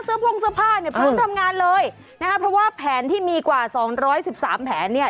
เสื้อพลงเสื้อผ้าพร้อมทำงานเลยนะเพราะว่าแผนที่มีกว่า๒๑๓แผนเนี่ย